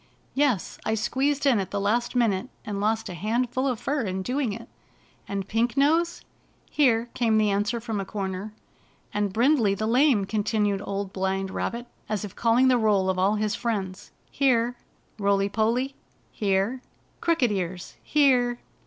"Yes, I squeezed in at the last minute, and lost a handful of fur in doing it." "And Pink Nose?" " Here I " came the answer from a comer. "And Brindley the Lame?" ccaitinued Old Blind Rabbit, as if calling the roll of idl his friends. "Here!" "Roily PoDy?" "Here!" "Crooked Ears?" "Here!"